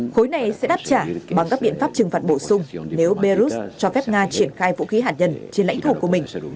khối này sẽ đáp trả bằng các biện pháp trừng phạt bổ sung nếu beirut cho phép nga triển khai vũ khí hạt nhân trên lãnh thổ của mình